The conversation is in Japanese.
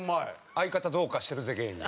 相方どうかしてるぜ芸人。